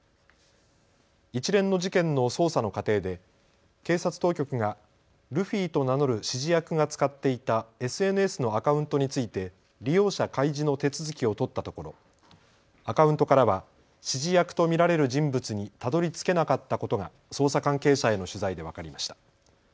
一連の事件の捜査の過程で警察当局がルフィと名乗る指示役が使っていたＳＮＳのアカウントについて利用者開示の手続きを取ったところアカウントからは指示役と見られる人物にたどりつけなかったことが捜査関係者への取材で分かりました。